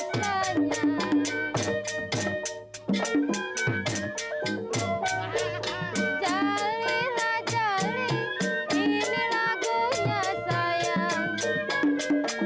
jali jali ini lagunya sayang